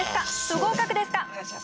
不合格ですか？